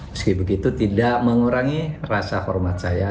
meski begitu tidak mengurangi rasa hormat saya